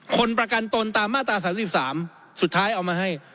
คนประกันตนตามมาตรา๓๓สุดท้ายเอามาให้